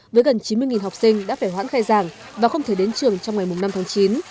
với gần chín mươi học sinh đã phải hoãn khai giảng và không thể đến trường trong ngày năm tháng chín